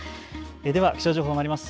気象情報まいります。